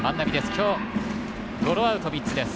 今日ゴロアウト３つ。